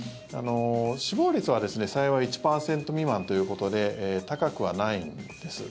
死亡率は、幸い１％未満ということで高くはないんです。